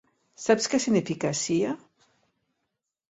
Saps què significa C.I.A.?